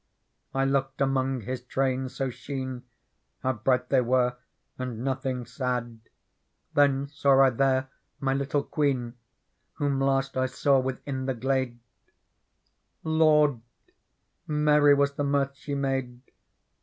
I looked among His train so sheen. How. bright they were, and nothing sad : Then saw I there mjjittle Queen Whom last I saw within^e ^lade : Lord I j»err7 ^caa. Ihe mirth she made.